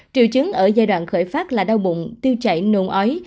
triệu chứng ở giai đoạn khởi phát là đau bụng tiêu chảy nồn ói